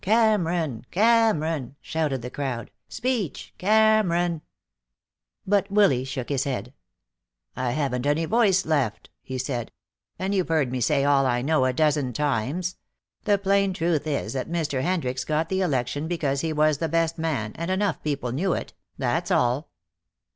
"Cameron! Cameron!" shouted the crowd. "Speech! Cameron!" But Willy shook his head. "I haven't any voice left," he said, "and you've heard me say all I know a dozen times. The plain truth is that Mr. Hendricks got the election because he was the best man, and enough people knew it. That's all."